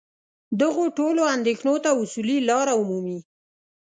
دغو ټولو اندېښنو ته اصولي لاره ومومي.